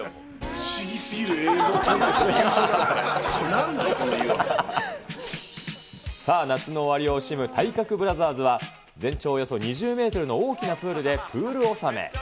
不思議すぎる映像コンテスト、さあ、夏の終わりを惜しむ体格ブラザーズは、全長およそ２０メートルの大きなプールでプール納め。